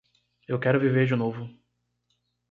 Eu quero viver de novo.